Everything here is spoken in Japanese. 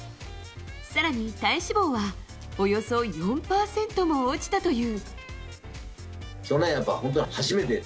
更に体脂肪はおよそ４％も落ちたという。